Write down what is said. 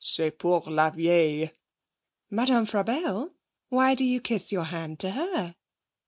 'C'est pour la vieille.' 'Madame Frabelle! Why do you kiss your hand to her?'